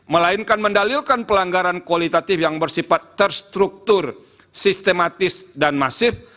melainkan mendalilkan pelanggaran kualitatif yang bersifat terstruktur sistematis dan masif